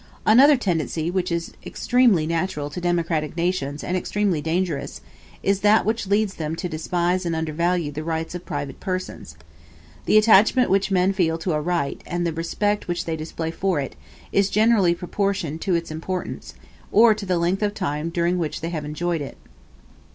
Another tendency, which is extremely natural to democratic nations and extremely dangerous, is that which leads them ta despise and undervalue the rights of private persons. The attachment which men feel to a right, and the respect which they display for it, is generally proportioned to its importance, or to the length of time during which they have enjoyed it.